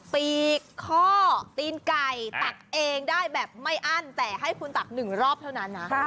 ปีกข้อตีนไก่ตักเองได้แบบไม่อั้นแต่ให้คุณตัก๑รอบเท่านั้นนะ